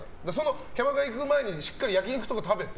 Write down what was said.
キャバクラ行く前にしっかり焼き肉とか食べて。